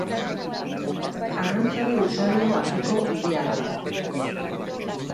Arrantzale usadio handiko hiria da.